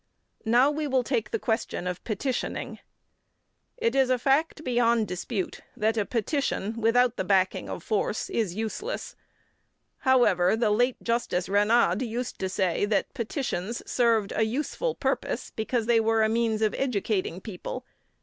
Now we will take the question of petitioning. It is a fact beyond dispute that a petition, without the backing of force, is useless. However, the late Justice Ranade used to say that petitions served a useful purpose because they were a means of educating people.